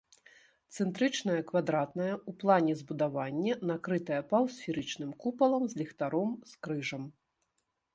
Цэнтрычнае квадратнае ў плане збудаванне, накрытае паўсферычным купалам з ліхтаром з крыжам.